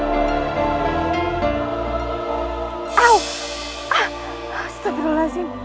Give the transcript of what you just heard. terima kasih kakanda